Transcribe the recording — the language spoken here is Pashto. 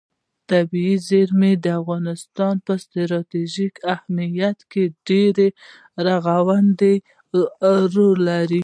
طبیعي زیرمې د افغانستان په ستراتیژیک اهمیت کې یو ډېر رغنده رول لري.